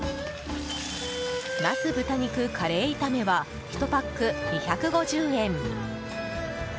ナス豚肉カレー炒めは１パック２５０円。